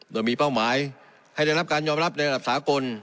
โดยมีเป้าหมายให้ได้รับการยอมรับในระดับสากล